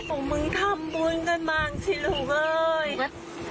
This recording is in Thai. พวกเมงทำปุ๊ยกันบ้างสิลูกิ้น